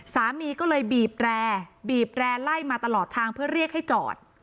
สามีก็เลยบีบแร่บีบแร่ไล่มาตลอดทางเพื่อเรียกให้จอด